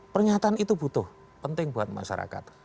pernyataan itu butuh penting buat masyarakat